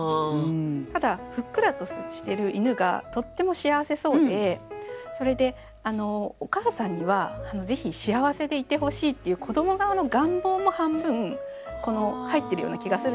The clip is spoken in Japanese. ただふっくらとしてる犬がとっても幸せそうでそれでお母さんにはぜひ幸せでいてほしいっていう子ども側の願望も半分入ってるような気がするんですね。